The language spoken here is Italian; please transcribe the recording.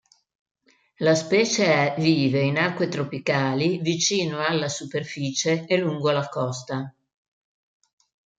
La specie è vive in acque tropicali, vicino alla superficie e lungo la costa.